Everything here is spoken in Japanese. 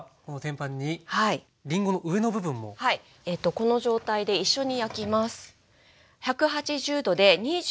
この状態で一緒に焼きます。